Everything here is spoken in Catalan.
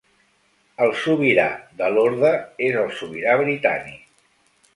El Sobirà de l'Orde és el sobirà britànic.